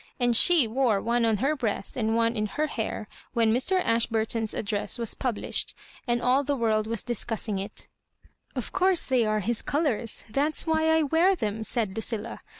And she wore one on her breast and one in her hair when Mr. Ashburton's address was published, and all the world was discussing it " Of course they are his colours — that is why I wear them," said Lucilla.